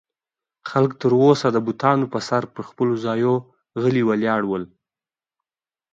خلک تر اوسه د بتانو په څېر پر خپلو ځایو غلي ولاړ ول.